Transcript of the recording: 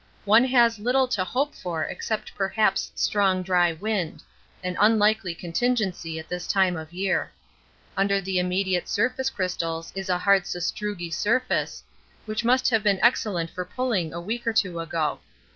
One has little to hope for except perhaps strong dry wind an unlikely contingency at this time of year. Under the immediate surface crystals is a hard sustrugi surface, which must have been excellent for pulling a week or two ago.